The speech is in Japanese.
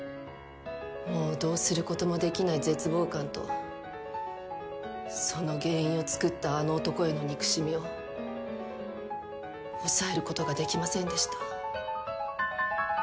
もうどうすることもできない絶望感とその原因をつくったあの男への憎しみを抑えることができませんでした。